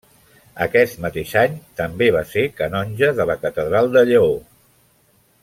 Aquest mateix any també va ser canonge de la Catedral de Lleó.